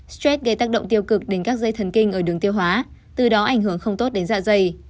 stress gây tác động tiêu cực đến các dây thần kinh ở đường tiêu hóa từ đó ảnh hưởng không tốt đến dạ dày